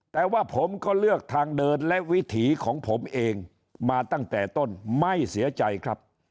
แต่ว่าผมก็เลือกทางเดินและวิถีของผมเองมาตั้งแต่ต้นไม่เสียใจครับ